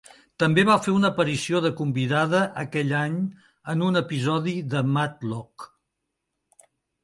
També va fer una aparició de convidada aquell any en un episodi de "Matlock".